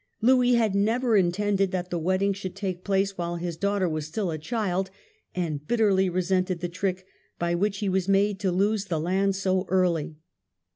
Louis had never intended that the wedding should take place while his daughter was still a child, and bitterly resented the trick by which he was made to lose the land so early.